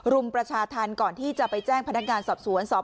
รุมประชาธรรมก่อนที่จะไปแจ้งพนักงานสอบสวนสอบ